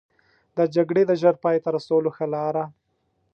د جګړې د ژر پای ته رسولو ښه لاره.